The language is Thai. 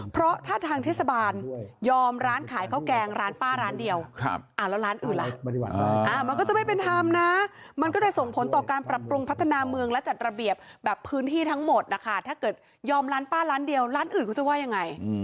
เพราะถ้าท่านเทศบาลเยอมร้านขายข้าวแกง